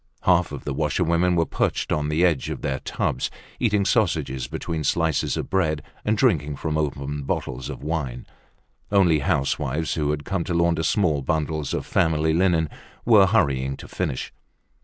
Half of the washerwomen were perched on the edge of their tubs, eating sausages between slices of bread and drinking from open bottles of wine. Only housewives who had come to launder small bundles of family linen were hurrying to finish.